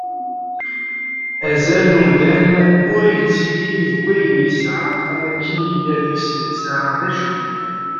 Azal n umdan ur yettili deg ayen yesεa am akken yella deg-s netta d acu-t.